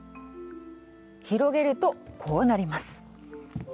広げるとこうなります。